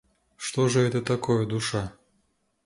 Что же это такое душа?